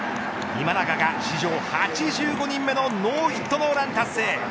今永が史上８５人目のノーヒットノーラン達成。